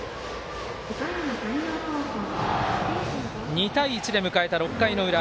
２対１で迎えた、６回の裏。